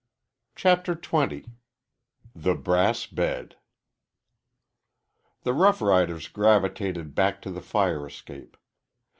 CHAPTER XX THE BRASS BED The rough riders gravitated back to the fire escape.